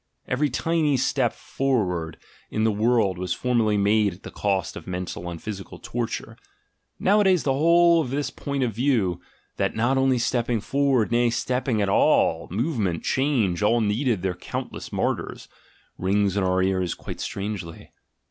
Every tiny step forward in the world was formerly made at the cost of mental and physical torture. Nowadays the whole of this point of view — "that not only stepping forward, nay, stepping at all, movement, change, all needed their countless martyrs," rings in our ears quite strangely.